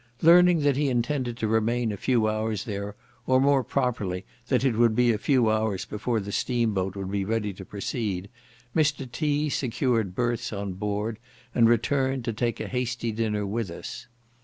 Learning that he intended to remain a few hours there, or more properly, that it would be a few hours before the steam boat would be ready to proceed, Mr. T. secured berths on board, and returned, to take a hasty dinner with us.